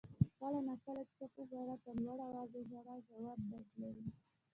• کله ناکله چپ ژړا تر لوړ آوازه ژړا ژور درد لري.